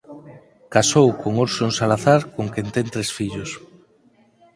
Casou con Orson Salazar co que ten tres fillos.